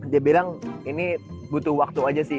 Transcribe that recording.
dia bilang ini butuh waktu aja sih